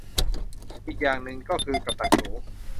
อีกอย่างหนึ่งก็คือกับดักหนู